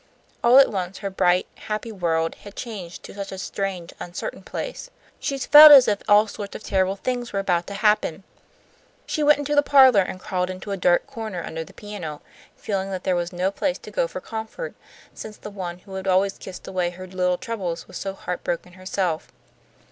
All at once her bright, happy world had changed to such a strange, uncertain place. She felt as if all sorts of terrible things were about to happen. She went into the parlour, and crawled into a dark corner under the piano, feeling that there was no place to go for comfort, since the one who had always kissed away her little troubles was so heart broken herself.